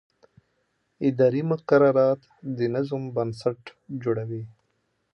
اداري مقررات د نظم بنسټ جوړوي.